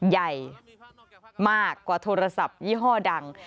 ใหญ่มากกว่าโทรศัพท์ยี่ห้อดัง